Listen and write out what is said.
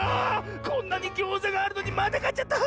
こんなにギョーザがあるのにまたかっちゃった！